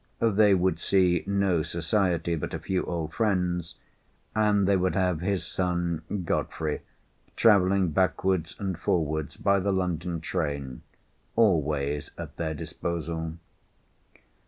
They would see no society but a few old friends, and they would have his son Godfrey, travelling backwards and forwards by the London train, always at their disposal.